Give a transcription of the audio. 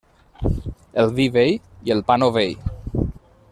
El vi vell, i el pa novell.